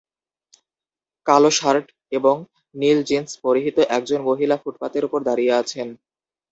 কালো শার্ট এবং নীল জিন্স পরিহিত একজন মহিলা ফুটপাতের উপর দাঁড়িয়ে আছেন